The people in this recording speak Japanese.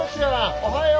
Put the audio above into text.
おはよう。